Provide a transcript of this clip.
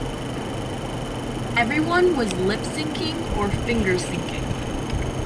"Everyone was lip synching or finger-synching."